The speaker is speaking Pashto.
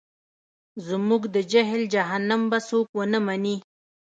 زموږ د جهل جهنم به څوک ونه مني.